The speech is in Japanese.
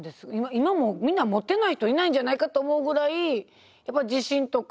今もうみんな持ってない人いないんじゃないかと思うぐらいやっぱり地震とか。